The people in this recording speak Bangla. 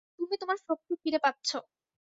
তুমি তোমার শক্তি ফিরে পাচ্ছো।